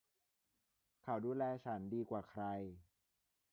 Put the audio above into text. เขาดูแลฉันดีกว่าใคร